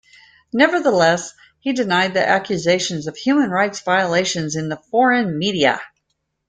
Nevertheless, he denied the accusations of human rights violations in the foreign media.